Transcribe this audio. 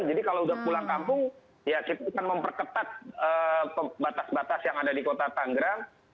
jadi kalau sudah pulang kampung ya kita akan memperketat batas batas yang ada di kota tangerang